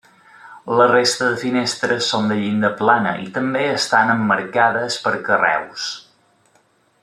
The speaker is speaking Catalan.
La resta de finestres són de llinda plana i també estan emmarcades per carreus.